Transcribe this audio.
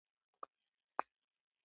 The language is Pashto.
چې ستاسې د لېوالتیا لمبې لا تېزوي.